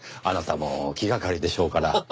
あなたも気がかりでしょうから。